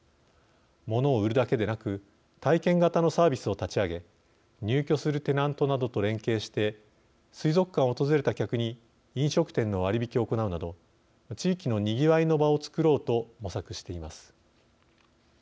物を売るだけでなく体験型のサービスを立ち上げ入居するテナントなどと連携して、水族館を訪れた客に飲食店の割引を行うなど地域のにぎわいの場をつくろうと模索しています。